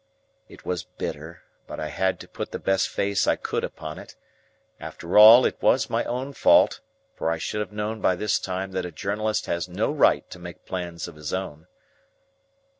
It was bitter, but I had to put the best face I could upon it. After all, it was my own fault, for I should have known by this time that a journalist has no right to make plans of his own.